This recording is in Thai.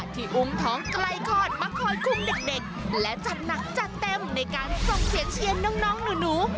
อุ้มท้องใกล้คลอดมาคอยคุมเด็กและจัดหนักจัดเต็มในการส่งเสียงเชียร์น้องหนู